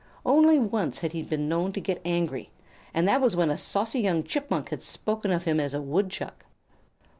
Only once had he been known to get angry, and that was when a saucy young Chipmunk had spoken of him as a Woodchuck.